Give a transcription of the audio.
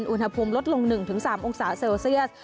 อุณหภูมิลดลง๑๓องศาเซลเซียส